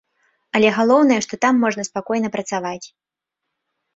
Але галоўнае, што там можна спакойна працаваць.